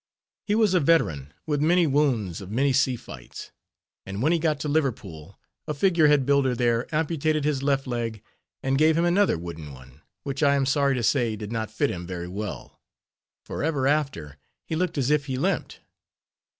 He was a veteran with many wounds of many sea fights; and when he got to Liverpool a figure head builder there, amputated his left leg, and gave him another wooden one, which I am sorry to say, did not fit him very well, for ever after he looked as if he limped.